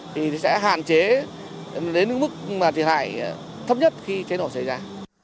thì sẽ hạn chế đến mức thiệt hại thấp nhất khi chế độ xảy ra